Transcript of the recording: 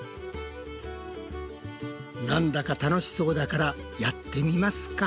なんだか楽しそうだからやってみますか！